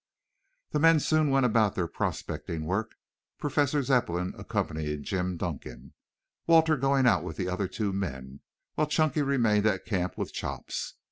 The men soon went about their prospecting work, Professor Zepplin accompanying Jim Dunkan, Walter going out with the other two men, while Chunky remained at camp with Chops.